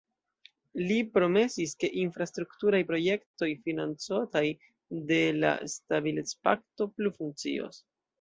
Li promesis, ke infrastrukturaj projektoj, financotaj de la Stabilecpakto, plu funkcios.